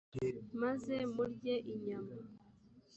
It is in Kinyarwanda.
maze murye inyama